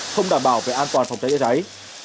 không đảm bảo về an toàn phòng cháy chữa cháy